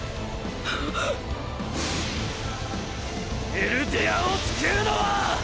エルディアを救うのは！！